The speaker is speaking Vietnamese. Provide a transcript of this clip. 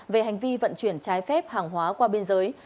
về hành vi vận chuyển trái phép hàng hóa qua biên giới